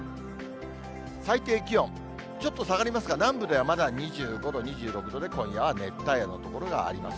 最低気温、ちょっと下がりますが、南部ではまだ２５度、２６度で今夜は熱帯夜の所があります。